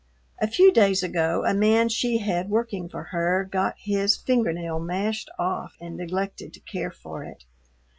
A few days ago a man she had working for her got his finger nail mashed off and neglected to care for it.